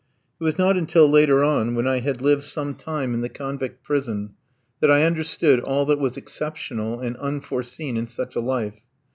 It was not until later on, when I had lived some time in the convict prison, that I understood all that was exceptional and unforeseen in such a life.